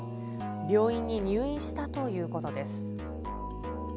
病院に入院したということです。